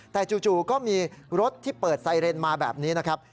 แต่จู่ก็มีรถที่เปิดไซเรนมาแบบนี้นะครับ